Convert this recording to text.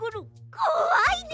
こわいね！